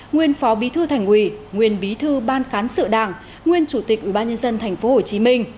nguyên phó bí thư thành ủy nguyên bí thư ban cán sự đảng nguyên chủ tịch ubnd tp hcm